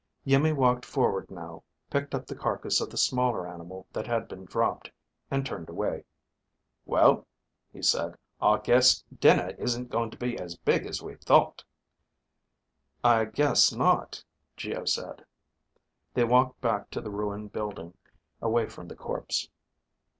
Iimmi walked forward now, picked up the carcass of the smaller animal that had been dropped, and turned away. "Well," he said, "I guess dinner isn't going to be as big as we thought." "I guess not," Geo said. They walked back to the ruined building, away from the corpse.